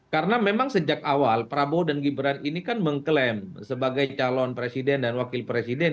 karena memang sejak awal prabowo dan gibran ini kan mengklaim sebagai calon presiden dan wakil presiden